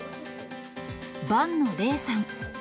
伴野嶺さん。